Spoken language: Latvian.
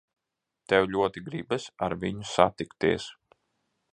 Tev ļoti gribas ar viņu satikties.